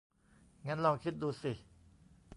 งั้นลองคิดดูสิ